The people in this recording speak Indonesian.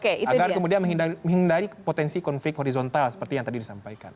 agar kemudian menghindari potensi konflik horizontal seperti yang tadi disampaikan